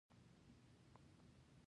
آیا ایران د کسپین سمندر حق نه غواړي؟